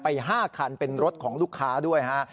๕คันเป็นรถของลูกค้าด้วยฮะ